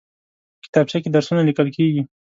کتابچه کې درسونه لیکل کېږي